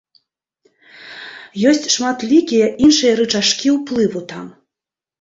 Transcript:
Ёсць шматлікія іншыя рычажкі ўплыву там.